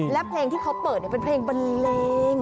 และเพลงที่เขาเปิดเป็นเพลงบันเลง